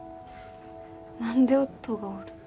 何で音がおる？